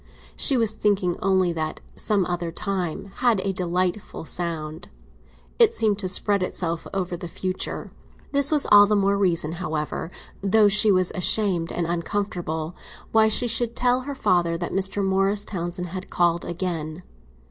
She was thinking only that "some other time" had a delightful sound; it seemed to spread itself over the future. This was all the more reason, however, though she was ashamed and uncomfortable, why she should tell her father that Mr. Morris Townsend had called again.